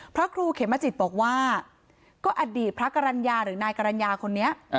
พระครูเขมจิตบอกว่าก็อดีตพระกรรณญาหรือนายกรรณญาคนนี้